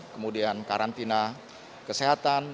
kemudian karantina kesehatan